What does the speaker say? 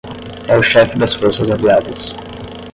É o chefe das forças aliadas.